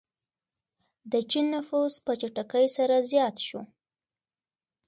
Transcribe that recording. د چین نفوس په چټکۍ سره زیات شو.